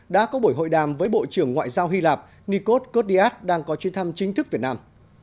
đã có buổi hội đàm với bộ trưởng ngoại giao hy lạp nikos kodiat đang có chuyến thăm chính thức việt nam